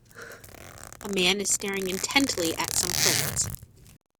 A man is staring intently at some plants.